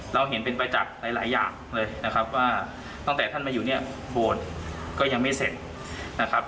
เราเห็นเป็นประจักษ์หลายอย่างเลยนะครับว่าตั้งแต่ท่านมาอยู่เนี่ยโบสถ์ก็ยังไม่เสร็จนะครับ